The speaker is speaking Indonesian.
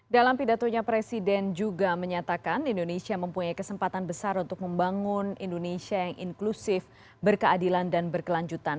dalam pidatonya presiden juga menyatakan indonesia mempunyai kesempatan besar untuk membangun indonesia yang inklusif berkeadilan dan berkelanjutan